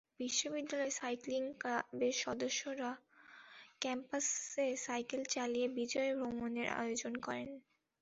বিশ্ববিদ্যালয় সাইক্লিং ক্লাবের সদস্যরা ক্যাম্পাসে সাইকেল চালিয়ে বিজয় ভ্রমণের আয়োজন করেন।